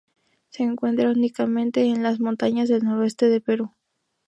Se encuentra únicamente en las montañas del noroeste de Perú.